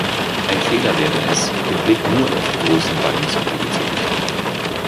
Ein Fehler wäre es, den Blick nur auf die großen Ballungsgebiete zu richten.